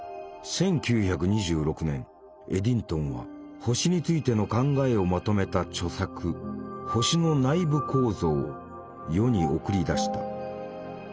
エディントンは星についての考えをまとめた著作「星の内部構造」を世に送り出した。